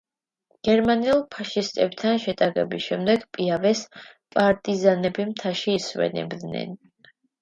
გერმანელ ფაშისტებთან შეტაკების შემდეგ „პიავეს“ პარტიზანები მთაში ისვენებდნენ.